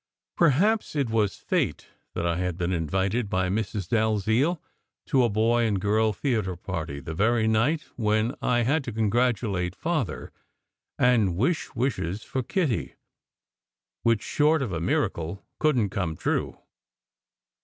Perhaps it was fate that I had been invited by Mrs. Dalziel to a "boy and girl" theatre party the very night when I had to congratulate Father, and wish wishes for Kitty which short of a miracle couldn t come true.